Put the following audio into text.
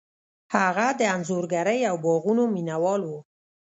هغه د انځورګرۍ او باغونو مینه وال و.